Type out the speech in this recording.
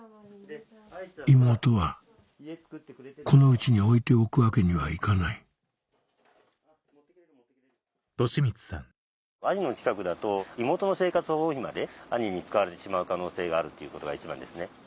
妹はこの家に置いておくわけにはいかない兄の近くだと妹の生活保護費まで兄に使われてしまう可能性があるっていうことが一番ですね。